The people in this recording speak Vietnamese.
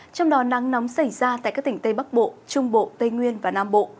trong đó nắng nóng xảy ra tại các tỉnh tây bắc bộ trung bộ tây nguyên và nam bộ